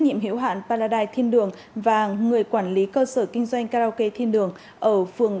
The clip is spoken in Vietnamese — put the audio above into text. nhiệm hiệu hạn paladai thiên đường và người quản lý cơ sở kinh doanh karaoke thiên đường ở phường